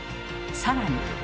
さらに。